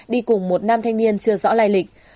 đi cùng một nam thanh niên chưa rõ lai lịch